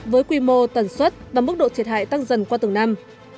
với quy mô tần suất và mức độ thiệt hại tăng dần qua từng năm